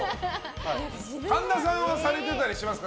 神田さんはされてたりしますか？